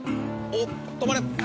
おっ止まれ！